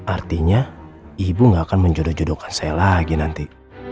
artinya ibu gak akan menjodoh jodohkan saya lagi nanti